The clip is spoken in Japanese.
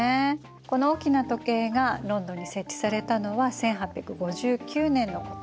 この大きな時計がロンドンに設置されたのは１８５９年のことなのね。